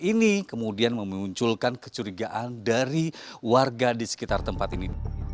ini kemudian memunculkan kecurigaan dari warga di sekitar tempat ini